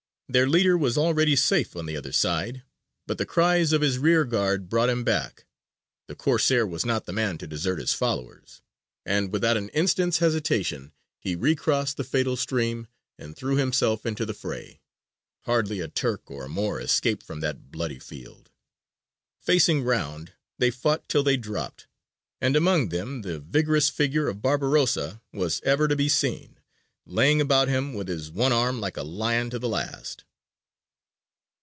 Their leader was already safe on the other side, but the cries of his rear guard brought him back. The Corsair was not the man to desert his followers, and without an instant's hesitation he recrossed the fatal stream and threw himself into the fray. Hardly a Turk or a Moor escaped from that bloody field. Facing round, they fought till they dropped; and among them the vigorous figure of Barbarossa was ever to be seen, laying about him with his one arm like a lion to the last.